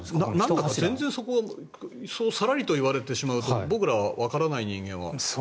全然そこがさらりと言われてしまうと僕らわからない人間は。